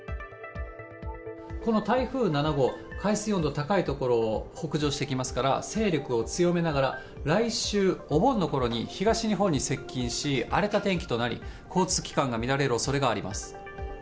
この台風７号、海水温の高い所を北上してきますから、勢力を強めながら、来週、お盆のころに東日本に接近し荒れた天気となり、交通機関が乱れるおそれがあります。